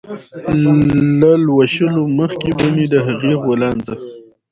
له لوشلو مخکې به مې د هغې غولانځه